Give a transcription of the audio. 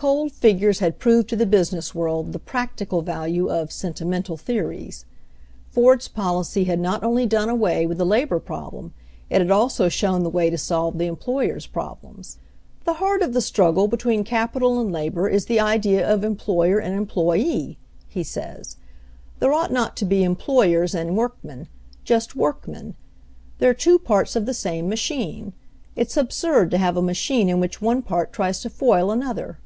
Cold figures had proved to the business world the "practical" value of "sentimental theories." Ford's policy had not only done away with the labor problem, it had also shown the way to solve the employers' problems. THE IMPORTANCE OF A JOB 165 "The heart of the struggle between capital and labor is the idea of employer and employee," he says. "There ought not to be employers and workmen — just workmen. They're two parts of the same machine. It's absurd to have a machine in which one part tries to foil another.